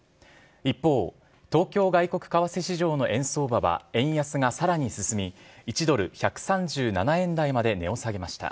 一方、東京外国為替市場の円相場は、円安がさらに進み、１ドル１３７円台まで値を下げました。